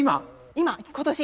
今今年。